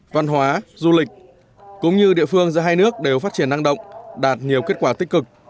văn hóa du lịch cũng như địa phương giữa hai nước đều phát triển năng động đạt nhiều kết quả tích cực